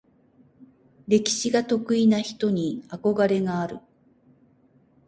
歴史が得意な人に憧れがある。